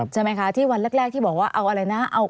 ใช่ไหมคะที่วันแรกที่บอกว่าเอาอะไรนะ